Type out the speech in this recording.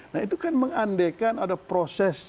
nah itu kan mengandekan ada proses